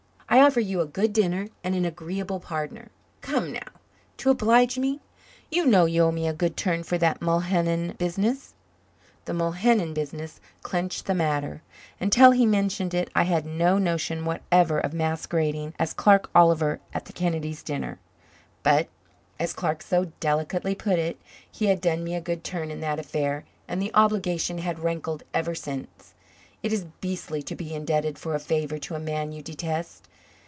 I offer you a good dinner and an agreeable partner. Come now, to oblige me. You know you owe me a good turn for that Mulhenen business." The Mulhenen business clinched the matter. Until he mentioned it I had no notion whatever of masquerading as Clark Oliver at the Kennedys' dinner. But, as Clark so delicately put it, he had done me a good turn in that affair and the obligation had rankled ever since. It is beastly to be indebted for a favor to a man you detest.